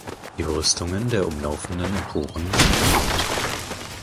Die Brüstungen der umlaufenden Emporen sind bemalt.